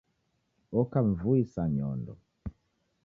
Oka mvui sa nyondo